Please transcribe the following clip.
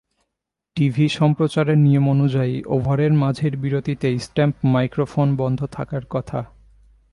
TV সম্প্রচারের নিয়ম অনুযায়ী, ওভারের মাঝের বিরতিতে স্টাম্প মাইক্রোফোন বন্ধ থাকার কথা।